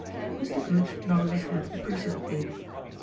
Mr. Goodge nodded his head appreciatively.